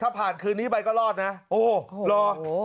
ถ้าผ่านคืนนี้ไปก็รอดนะโอ้โหรอ